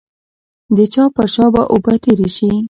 د چا پر شا به اوبه تېرې شي.